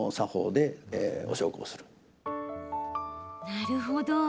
なるほど。